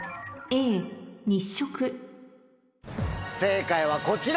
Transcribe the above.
正解はこちら。